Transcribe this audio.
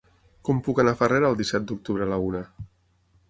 Com puc anar a Farrera el disset d'octubre a la una?